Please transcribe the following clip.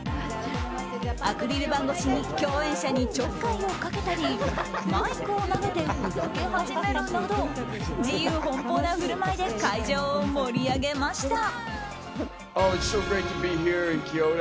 アクリル板越しに共演者にちょっかいをかけたりマイクを投げてふざけ始めるなど自由奔放な振る舞いで会場を盛り上げました。